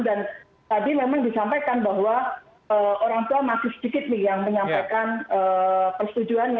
dan tadi memang disampaikan bahwa orang tua masih sedikit nih yang menyampaikan persetujuan